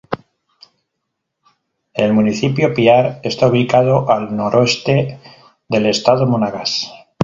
El municipio Piar está ubicado al noroeste del estado Monagas.